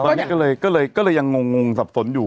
ตอนนี้ก็เลยยังงงสับสนอยู่